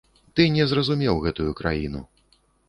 Ты не зразумеў гэтую краіну.